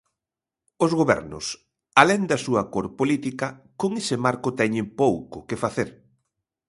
Os gobernos, alén da súa cor política, con ese marco teñen pouco que facer.